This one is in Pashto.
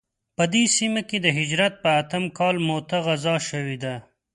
په دې سیمه کې د هجرت په اتم کال موته غزا شوې ده.